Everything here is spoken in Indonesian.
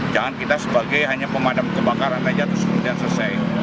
jangan kita sebagai hanya pemadam kebakaran saja terus kemudian selesai